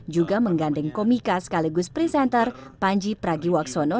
juga menggandeng komika sekaligus presenter panji pragiwaksono